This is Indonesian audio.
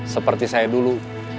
seperti saya dulu